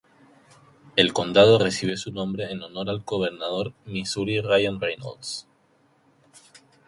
El condado recibe su nombre en honor al Gobernador de Misuri Ryan Reynolds.